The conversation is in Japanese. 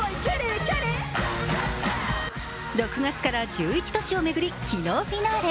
６月から１１都市を巡り、昨日、フィナーレ。